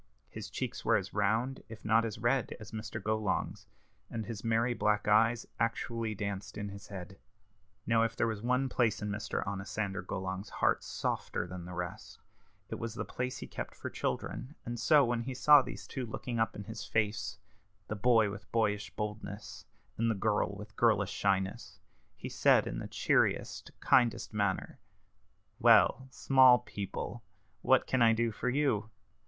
His cheeks were as round, if not as red, as Mr. Golong's, and his merry black eyes actually danced in his head. Now if there was one place in Mr. Onosander Golong's heart softer than the rest, it was the place he kept for children; and so when he saw these two looking up in his face the boy with boyish boldness, and the girl with girlish shyness he said, in the cheeriest, kindest manner, "Well, small people, what can I do for you?"